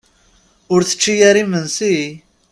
Ur tečči ara imensi?